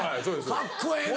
カッコええな。